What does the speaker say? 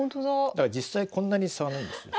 だから実際こんなに差はないんです。